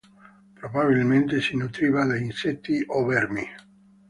Probabilmente si nutriva di insetti o vermi.